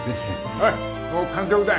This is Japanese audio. おいもう完食だ！